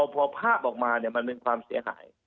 พอพาบออกมาเนี่ยมันเป็นความเสียหาย